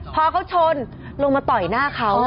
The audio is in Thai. พอเขาชนลงมาต่อยหน้าเขา